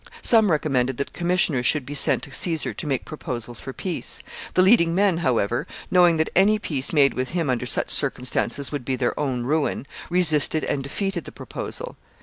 Some recommended that commissioners should be sent to Caesar to make proposals for peace. The leading men, however, knowing that any peace made with him under such circumstances would be their own ruin, resisted and defeated the proposal.